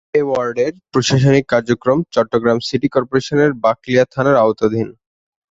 এ ওয়ার্ডের প্রশাসনিক কার্যক্রম চট্টগ্রাম সিটি কর্পোরেশনের বাকলিয়া থানার আওতাধীন।